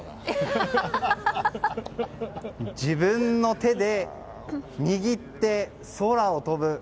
自分の手で握って、空を飛ぶ。